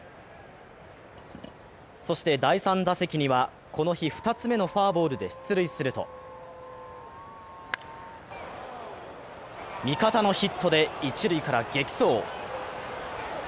そして第３打席には、この日２つ目のフォアボールで出塁すると味方のヒットで一塁から激走。